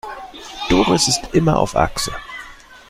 Doris ist immer auf Achse.